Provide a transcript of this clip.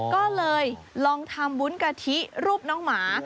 ก็เลยลองทำวุ้นกะทิรูปน้องหมา